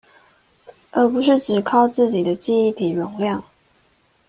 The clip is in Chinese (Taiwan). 而不是只靠自己的記憶體容量